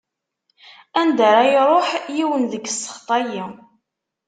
Anda ara iruḥ yiwen deg ssexṭ-ayi!